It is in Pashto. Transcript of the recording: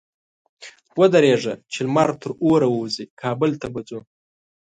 ودرېږه! چې لمر تر اوره ووزي؛ کابل ته به ځو.